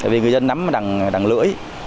vì người dân nắm đằng lưỡi